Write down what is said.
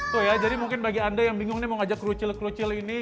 tuh ya jadi mungkin bagi anda yang bingung nih mau ngajak kerucil kerucil ini